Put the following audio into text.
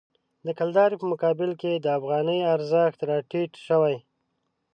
د کلدارې په مقابل کې د افغانۍ ارزښت راټیټ شوی.